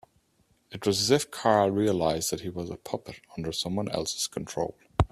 It was as if Carl realised that he was a puppet under someone else's control.